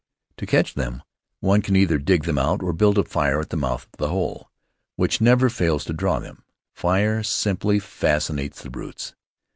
To catch them, one can either dig them out or build a fire at the mouth of the hole, which never fails to draw them. Fire simply fascinates the brutes.